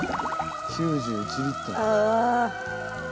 ９１リットル。